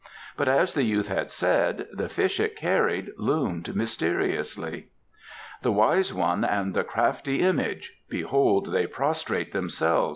But, as the youth had said, the fish it carried loomed mysteriously. "The Wise One and the Crafty Image behold they prostrate themselves!"